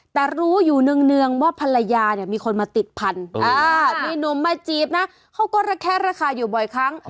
แต่รู้อยู่เนื่องว่าภรรยาเนี่ยมีคนมาติดพันธุ์มีหนุ่มมาจีบนะเขาก็ระแคะระคายอยู่บ่อยครั้ง